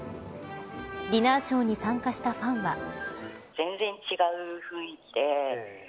ディナーショーに参加したファンは。